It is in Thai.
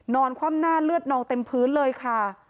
คว่ำหน้าเลือดนองเต็มพื้นเลยค่ะ